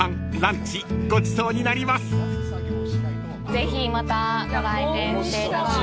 ぜひまたご来店していただければ。